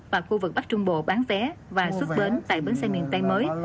và khu vực bắc trung bộ bán vé và xuất bến tại bến xe miền tây mới